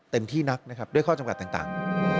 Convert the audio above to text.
ที่นักนะครับด้วยข้อจำกัดต่าง